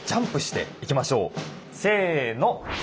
せの！